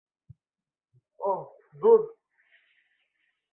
ওহ, ধুর।